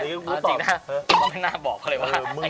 จริงหน้าบอกเลยว่า